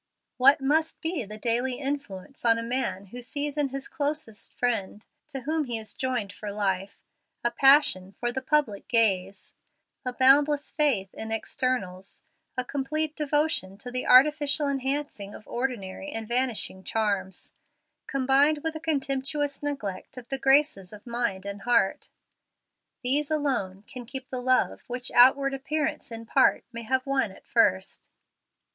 What must be the daily influence on a man who sees in his closest friend, to whom he is joined for life, a passion for the public gaze, a boundless faith in eternals, a complete devotion to the artificial enhancing of ordinary and vanishing charms, combined with a contemptuous neglect of the graces of mind and heart? These alone can keep the love which outward appearance in part may have won at first.